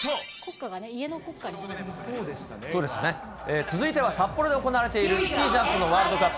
続いては札幌で行われているスキージャンプのワールドカップ。